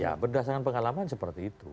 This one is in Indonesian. ya berdasarkan pengalaman seperti itu